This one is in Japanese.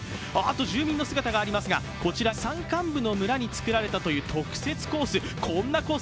住民の姿がありますが、こちら、山間部の村につくられたという特設コース、こんなコース